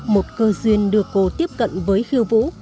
một cơ duyên đưa cô tiếp cận với khiêu vũ